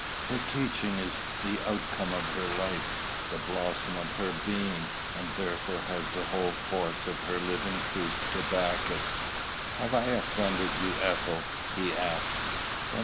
"Her teaching is the outcome of her life, the blossom of her being, and therefore has the whole force of her living truth to back it." "Have I offended you, Ethel?" he asked.